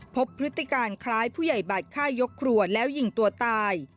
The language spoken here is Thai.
พฤติการคล้ายผู้ใหญ่บัตรฆ่ายกครัวแล้วยิงตัวตาย